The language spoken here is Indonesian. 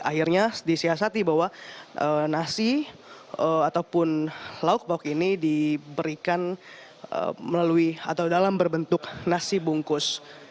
akhirnya disiasati bahwa nasi ataupun lauk lauk ini diberikan melalui atau dalam berbentuk nasi bungkus